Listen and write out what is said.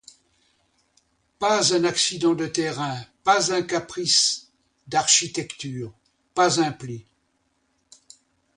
Pas un accident de terrain, pas un caprice d'architecture, pas un pli.